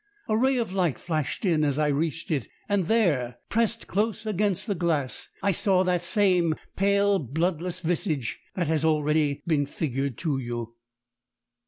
A ray of light flashed in as I reached it, and there, pressed close against the glass, I saw the same pale, bloodless visage that has been already figured to you.